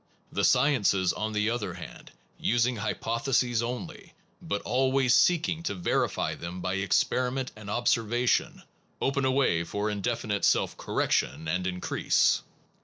The sci ences on the other hand, using hypotheses only, but always seeking to verify them by experi ment and observation, open a way for indefi nite self correction and increase.